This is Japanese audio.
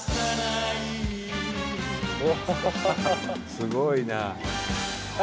すごいな。